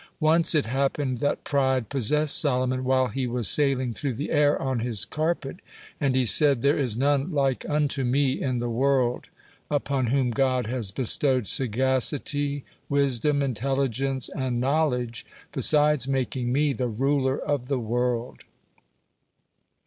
Once it happened that pride possessed Solomon while he was sailing through the air on his carpet, and he said: "There is none like unto me in the world, upon whom God has bestowed sagacity, wisdom, intelligence, and knowledge, besides making me the ruler of the world."